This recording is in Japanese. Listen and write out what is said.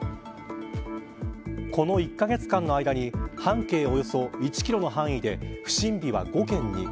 この１カ月間の間に半径およそ１キロの範囲で不審火は５件に。